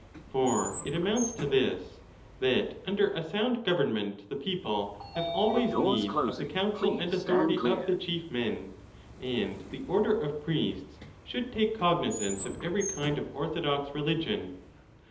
For it amounts to this, that under a sound government the people have always need of the counsel and authority of the chief men; and the order of priests should take cognizance of every kind of ortho dox religion.